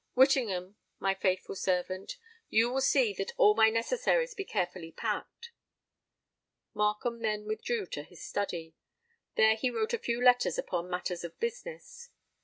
Whittingham, my faithful friend, you will see that all my necessaries be carefully packed." Markham then withdrew to his study. There he wrote a few letters upon matters of business.